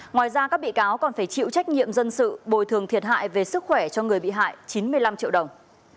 ngoài ra các bị cáo còn phải chịu trách nhiệm dân sự bồi thường thiệt hại về sức khỏe cho người bị hại chín mươi năm triệu đồng